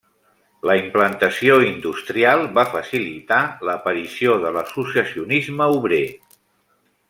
La implantació industrial va facilitar l'aparició de l'associacionisme obrer.